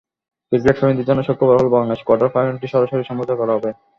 ক্রিকেটপ্রেমীদের জন্য সুখবর হলো, বাংলাদেশের কোয়ার্টার ফাইনালটি সরাসরি সম্প্রচার করা হবে।